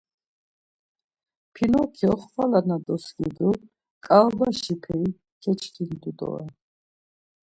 Pinokyo xvala na doskidu, ǩaobaşi peri keçkindu doren.